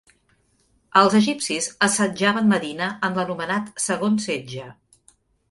Els egipcis assetjaven Medina en l'anomenat segon setge.